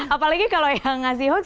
apalagi kalau yang ngasih hoax